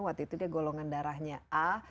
waktu itu dia golongan darahnya a